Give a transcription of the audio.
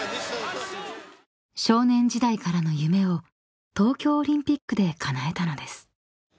［少年時代からの夢を東京オリンピックでかなえたのです］